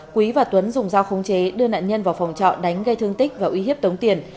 quý và tuấn dùng dao khống chế đưa nạn nhân vào phòng trọ đánh gây thương tích và uy hiếp tống tiền